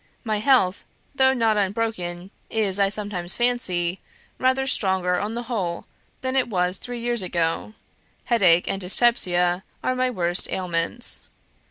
My health, though not unbroken, is, I sometimes fancy, rather stronger on the whole than it was three years ago: headache and dyspepsia are my worst ailments.